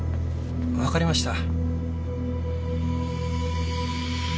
わかりました。